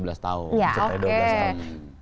ceritanya dua belas tahun